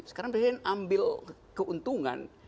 sekarang presiden ambil keuntungan